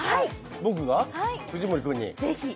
僕が藤森君に？